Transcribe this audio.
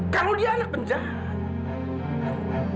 kalau dia anak penjahat